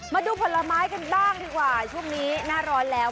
มาดูผลไม้กันบ้างดีกว่าช่วงนี้หน้าร้อนแล้ว